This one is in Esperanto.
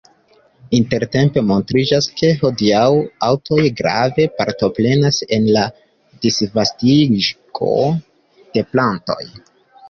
Intertempe montriĝas, ke hodiaŭ aŭtoj grave partoprenas en la disvastigo de plantoj.